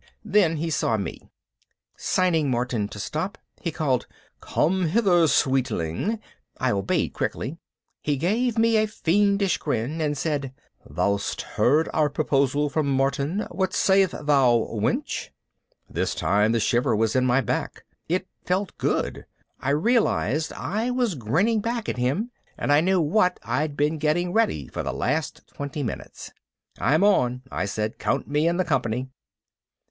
Then he saw me. Signing Martin to stop, he called, "Come hither, sweetling." I obeyed quickly. He gave me a fiendish grin and said, "Thou'st heard our proposal from Martin. What sayest thou, wench?" This time the shiver was in my back. It felt good. I realized I was grinning back at him, and I knew what I'd been getting ready for the last twenty minutes. "I'm on," I said. "Count me in the company."